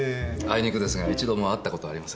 生憎ですが一度も会ったことはありません。